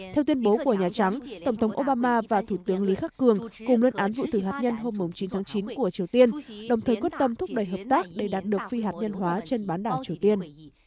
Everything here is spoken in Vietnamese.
theo tuyên bố của nhà trắng tổng thống obama và thủ tướng lý khắc cường cùng lên án vụ thử hạt nhân hôm chín tháng chín của triều tiên đồng thời quyết tâm thúc đẩy hợp tác để đạt được phi hạt nhân hóa trên bán đảo triều tiên